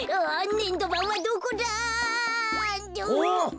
ねんどばんはここじゃ！